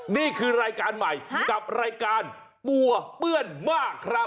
นี่คือรายการใหม่กับรายการปัวเปื้อนมากครับ